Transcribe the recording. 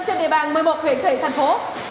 trên địa bàn một mươi một huyện thị thành phố